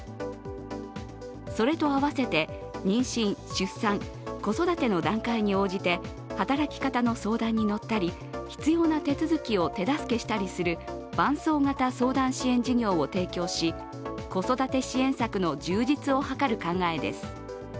それと合わせて、妊娠、出産、子育ての段階に応じて働き方の相談に乗ったり、必要な手続きを手助けしたりする伴奏型相談支援事業を提供し子育て支援策の充実を図る考えです。